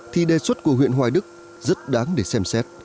thì đề xuất của huyện hoài đức rất đáng để xem xét